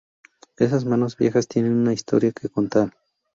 Esas manos viejas tienen una historia que contar.